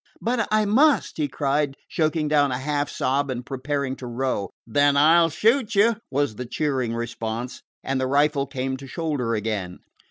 "But I must!" he cried, choking down a half sob and preparing to row. "Then I 'll shoot you," was the cheering response, and the rifle came to shoulder again.